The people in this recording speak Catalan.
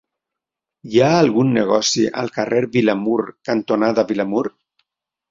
Hi ha algun negoci al carrer Vilamur cantonada Vilamur?